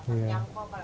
yang lebih murah ini